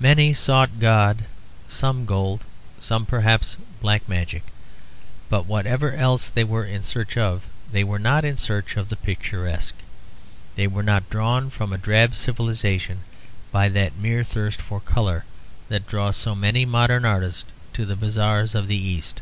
Many sought God, some gold, some perhaps black magic. But whatever else they were in search of, they were not in search of the picturesque. They were not drawn from a drab civilisation by that mere thirst for colour that draws so many modern artists to the bazaars of the East.